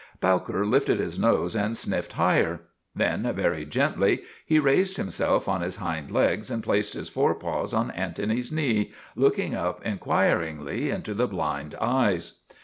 Bowker lifted his nose and sniffed higher. Then, very gently, he raised himself on his hind legs and placed his forepaws on Antony's knee, looking up in quiringly into the blind eyes.